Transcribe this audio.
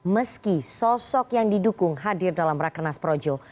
meski sosok yang didukung hadir dalam rakernas projo